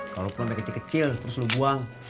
kalau lo pulang kecil kecil terus lo buang